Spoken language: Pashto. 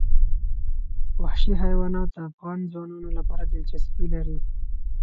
وحشي حیوانات د افغان ځوانانو لپاره دلچسپي لري.